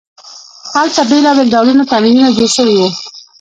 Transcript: هلته بیلابیل ډوله تعمیرونه جوړ شوي وو.